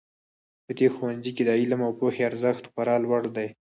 په دې ښوونځي کې د علم او پوهې ارزښت خورا لوړ ده